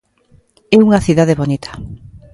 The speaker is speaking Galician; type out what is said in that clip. É unha cidade bonita.